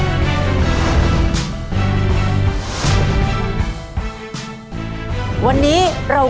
จะมาจับมือกันต่อสู้เพื่อโรงเรียนที่รักของพวกเค้า